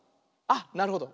あっなるほど。